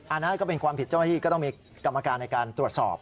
อันนั้นก็เป็นความผิดเจ้าหน้าที่ก็ต้องมีกรรมการในการตรวจสอบ